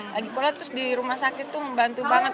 lagipula terus di rumah sakit tuh membantu banget